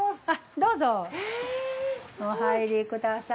どうぞお入りください。